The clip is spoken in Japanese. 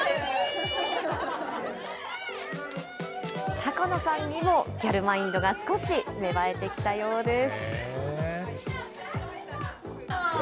高野さんにもギャルマインドが少し芽生えてきたようです。